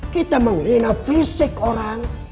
kita menghina fisik orang